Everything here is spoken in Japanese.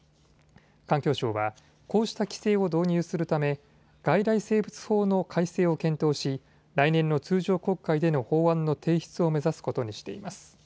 環境省はこうした規制を導入するため外来生物法の改正を検討し、来年の通常国会での法案の提出を目指すことにしています。